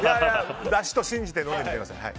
だしと信じて飲んでください。